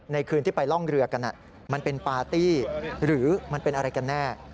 คืนที่ไปร่องเรือกันมันเป็นปาร์ตี้หรือมันเป็นอะไรกันแน่